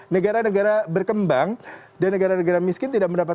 negara negara berkembang dan negara negara miskin tidak mendapatkan